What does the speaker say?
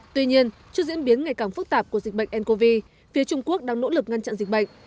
tuy nhiên trước diễn biến ngày càng phức tạp của dịch bệnh ncov phía trung quốc đang nỗ lực ngăn chặn dịch bệnh